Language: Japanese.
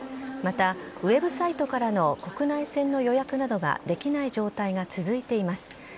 また、ウェブサイトからの国内線の予約などができない状態が続いています。